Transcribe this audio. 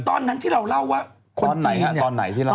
ตอนนั้นที่เราเล่าว่าคนจีนเนี่ย